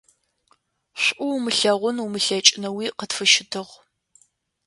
ШӀу умылъэгъун умылъэкӀынэуи къытфыщытыгъ.